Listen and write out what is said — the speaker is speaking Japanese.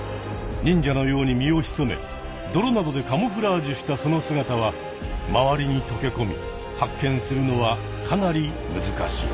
忍者のように身をひそめ泥などでカモフラージュしたその姿は周りにとけこみ発見するのはかなり難しい。